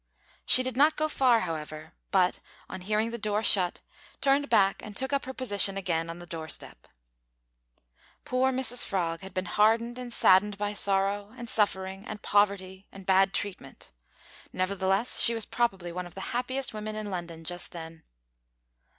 She did not go far, however, but, on hearing the door shut, turned back and took up her position again on the door step. Poor Mrs Frog had been hardened and saddened by sorrow, and suffering, and poverty, and bad treatment; nevertheless she was probably one of the happiest women in London just then.